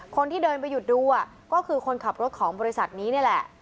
คนที่เดินไปหยุดดูก็คือคนขับรถของบริษัทนี้นี่แหละ